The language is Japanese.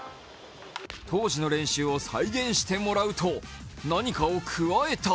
当時の練習を再現してもらうと何かをくわえた。